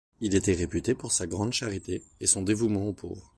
Il était réputé pour sa grande charité et son dévouement aux pauvres.